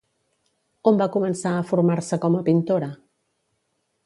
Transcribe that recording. On va començar a formar-se com a pintora?